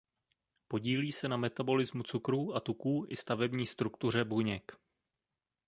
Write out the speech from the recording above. Podílí se na metabolismu cukrů a tuků i stavební struktuře buněk.